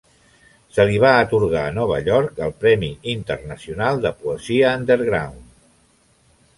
Se li va atorgar a Nova York el premi internacional de Poesia Underground.